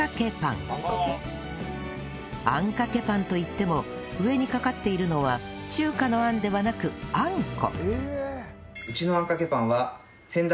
あんかけパンといっても上にかかっているのは中華のあんではなくあんこ